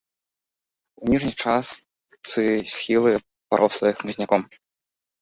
У ніжняй частцы схілы парослыя хмызняком.